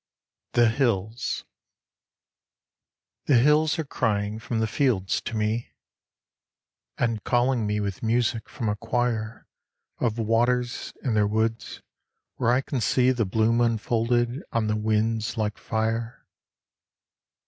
THE HILLS The hills are crying from the fields to me, And calling me with music from a choir Of waters in their woods where I can see The bloom unfolded on the whins like fire.